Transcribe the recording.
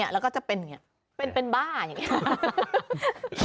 แล้วก็จะเป็นอย่างนี้เป็นบ้าอย่างนี้